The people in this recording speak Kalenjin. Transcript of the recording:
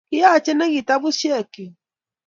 Kiyachi ne kitabushekguk?